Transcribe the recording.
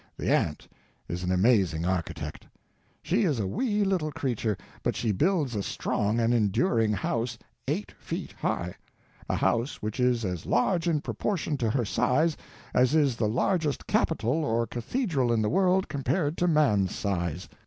The ant is an amazing architect. She is a wee little creature, but she builds a strong and enduring house eight feet high—a house which is as large in proportion to her size as is the largest capitol or cathedral in the world compared to man's size.